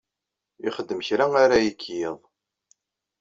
Ixeddem kra ara yekk yiḍ.